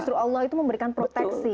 justru allah itu memberikan proteksi